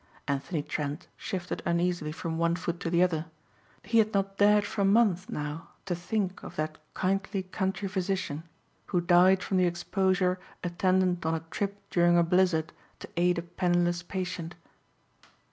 Anthony Trent shifted uneasily from one foot to the other. He had not dared for months now to think of that kindly country physician who died from the exposure attendant on a trip during a blizzard to aid a penniless patient.